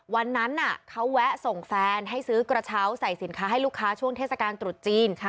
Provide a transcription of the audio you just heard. วันนั้นเขาแวะส่งแฟนให้ซื้อกระเช้าใส่สินค้าให้ลูกค้าช่วงเทศกาลตรุษจีน